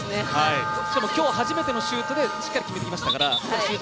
しかも今日、初めてのシュートでしっかり決めてきましたから。